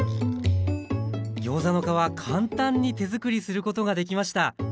ギョーザの皮簡単に手づくりすることができました！